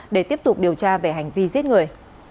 để tiếp tục điều tra về hành vi giết người